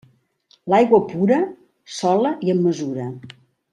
L'aigua pura, sola i amb mesura.